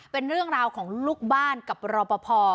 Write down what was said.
เป็นเรื่องราวของลูกบ้านกับรอปภ